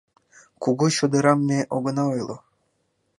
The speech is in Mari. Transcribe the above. Кугу чодырам ме огына ойло.